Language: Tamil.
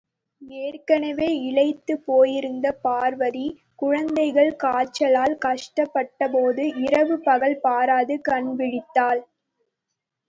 ஏற்கெனவே இளைத்துப் போயிருந்த பார்வதி, குழந்தைகள் காய்ச்சலால் கஷ்டப்பட்டபோது இரவு பகல் பாராது கண் விழித்தாள்.